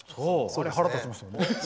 あれ、腹立ちましたよね。